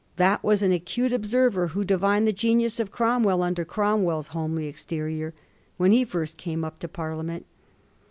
That was an acute observer who divined the genius of Cromwell under Cromwell's homely exterior when he first came up to Parliament.